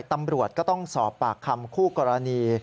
ตำรวจก็ต้องสอบปากคำคู่กรณี